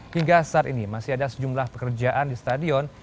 hingga saat ini masih ada sejumlah pekerjaan di stadion